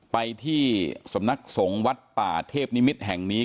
ไปที่สมน็กศงวัดป่าเทพนิมิทย์แห่งนี้